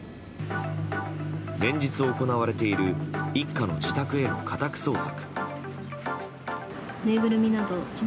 連日、行われている一家の自宅への家宅捜索。